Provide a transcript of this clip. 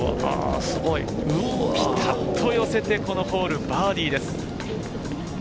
ぴたっと寄せて、このホール、バーディーです。